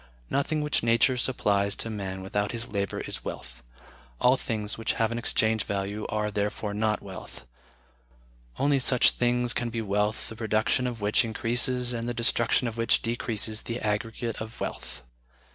Nothing which Nature supplies to man without his labor is wealth.... All things which have an exchange value are, therefore, not wealth. Only such things can be wealth the production of which increases and the destruction of which decreases the aggregate of wealth....